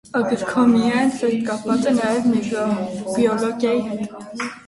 Ագրքոիմիան սերտ կապված է նաև միկրոբիոլոգիայի հետ։